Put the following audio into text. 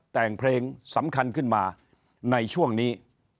แต่งเพลงสำคัญขึ้นมาในช่วงนี้